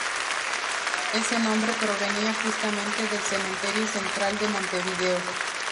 Ese nombre provenía justamente del Cementerio Central de Montevideo.